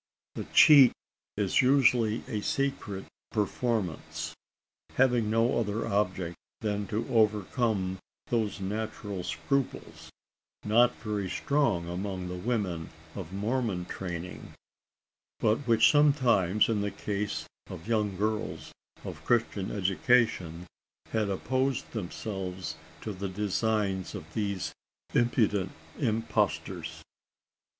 The cheat is usually a secret performance: having no other object than to overcome those natural scruples not very strong among women of Mormon training but which sometimes, in the case of young girls of Christian education, had opposed themselves to the designs of these impudent impostors.